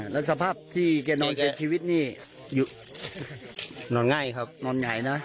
แล้วสภาพที่แกนอนเสียชีวิตนี่นอนง่ายครับนอนใหญ่นะ